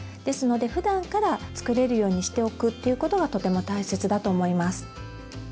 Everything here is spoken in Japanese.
ですのでふだんから作れるようにしておくということがとても大切だと思います。